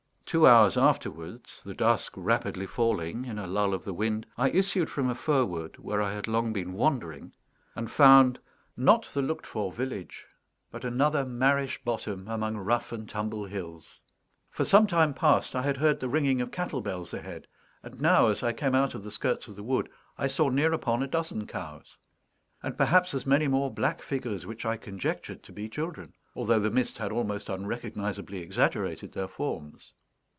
Two hours afterwards, the dusk rapidly falling, in a lull of the wind, I issued from a fir wood where I had long been wandering, and found, not the looked for village, but another marish bottom among rough and tumble hills. For some time past I had heard the ringing of cattle bells ahead; and now, as I came out of the skirts of the wood, I saw near upon a dozen cows, and perhaps as many more black figures, which I conjectured to be children, although the mist had almost unrecognisably exaggerated their forms.